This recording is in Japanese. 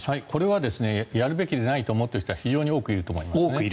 これはやるべきでないと思っている人は非常に多くいると思います。